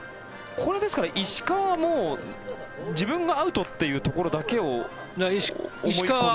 これはですから、石川は自分がアウトというところだけを思い込んで。